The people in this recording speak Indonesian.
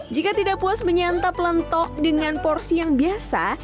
jika tidak puas menyantap lentok dengan porsi yang biasa